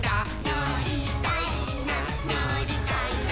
「のりたいなのりたいな」